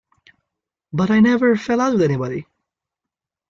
But I never fell out with anybody.